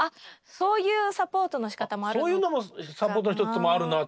そういうのもサポートの一つでもあるなと。